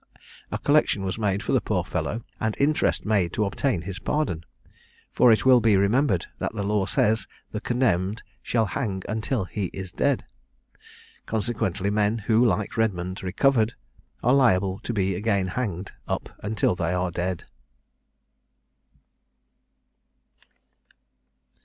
A collection was made for the poor fellow, and interest made to obtain his pardon, for it will be remembered that the law says the condemned shall hang until he is dead; consequently, men who, like Redmond, recovered, are liable to be again hanged up until they are dead.